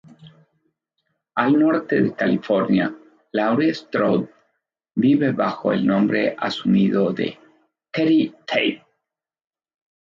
Al Norte de California, Laurie Strode vive bajo el nombre asumido de "Keri Tate".